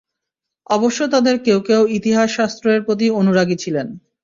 অবশ্য তাদের কেউ কেউ ইতিহাস শাস্ত্রের প্রতি অনুরাগী ছিলেন।